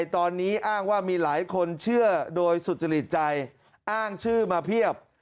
ตอนนี้อ้างว่ามีหลายคนเชื่อโดยสุจริตใจอ้างชื่อมาเพียบ